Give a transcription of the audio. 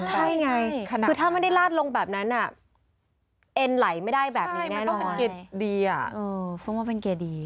ใช่ไงคือถ้ามันได้ลาดลงแบบนั้นเอ็นไหลไม่ได้แบบนี้แน่นอนใช่มันต้องเป็นเกียร์ดี